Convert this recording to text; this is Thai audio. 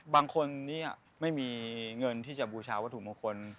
บางคนนี้ไม่มีเงินที่จะบูชาวัตถุมงคล